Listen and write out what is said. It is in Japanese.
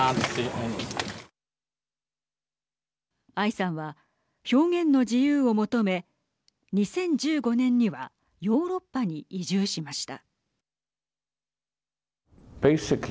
アイさんは表現の自由を求め２０１５年にはヨーロッパに移住しました。